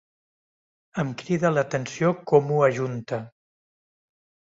Em crida l'atenció com ho ajunta.